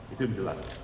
itu yang jelas